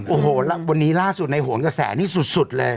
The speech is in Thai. โอ้โหวันนี้ล่าสุดในโหนกระแสนี่สุดเลย